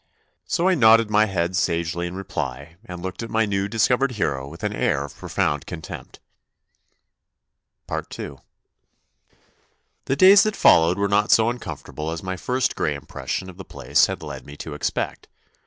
So I nodded my head sagely THE NEW BOY 57 in reply, and looked at my new discovered hero with an air of profound contempt. II The days that followed were not so uncom fortable as my first grey impression of the place had led me to expect.